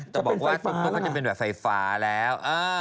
แต่บอกว่าจะเป็นแบบไฟฟ้าแล้ว